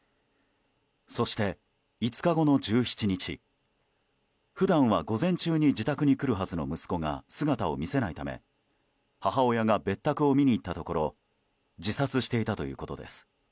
そして５日後の１７日普段は午前中に自宅に来るはずの息子が姿を見せないため母親が別宅を見に行ったところ自殺していたということです。